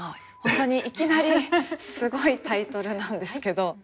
本当にいきなりすごいタイトルなんですけど。